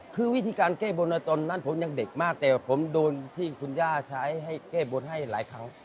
คือวิธีการแก้บนตอนนั้นผมยังเด็กมากแต่ผมโดนที่คุณย่าใช้ให้แก้บนให้หลายครั้ง